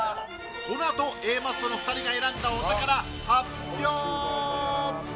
このあとＡマッソが選んだお宝、発表！